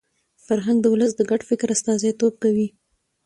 فرهنګ د ولس د ګډ فکر استازیتوب کوي.